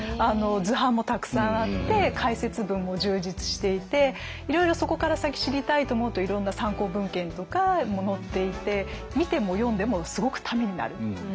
図版もたくさんあって解説文も充実していていろいろそこから先知りたいと思うといろんな参考文献とかも載っていて見ても読んでもすごくためになる。